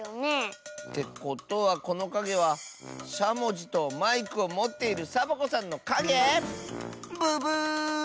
てことはこのかげはしゃもじとマイクをもっているサボ子さんのかげ⁉ブブー！